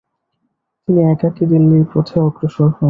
তিনি একাকী দিল্লির পথে অগ্রসর হন।